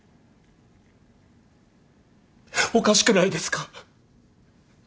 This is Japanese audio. おかしくないですか？